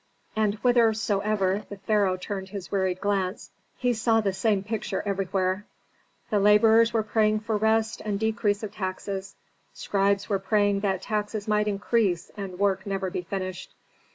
And whithersoever the pharaoh turned his wearied glance he saw the same picture everywhere. The laborers were praying for rest and decrease of taxes, scribes were praying that taxes might increase and work never be finished.